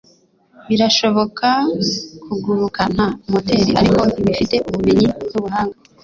birashoboka kuguruka nta moteri, ariko ntibifite ubumenyi n'ubuhanga